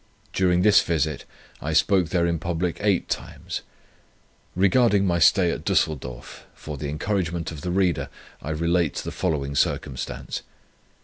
During this visit, I spoke there in public eight times. Regarding my stay at Düsseldorf, for the encouragement of the reader, I relate the following circumstance.